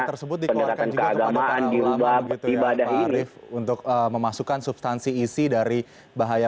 tersebut dikeluarkan keagamaan di rumah ibadah ini untuk memasukkan substansi isi dari bahaya